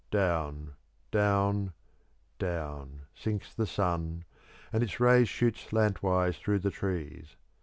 Then down, down, down sinks the sun, and its rays shoot slantwise through the trees.